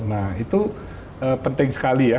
nah itu penting sekali ya